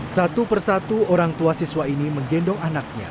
satu persatu orang tua siswa ini menggendong anaknya